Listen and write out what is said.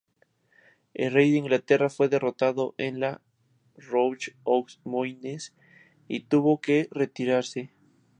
El rey de Inglaterra fue derrotado en La Roche-aux-Moines y tuvo que retirarse.